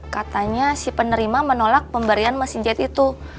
katanya si penerima menolak pemberian mesin jahit itu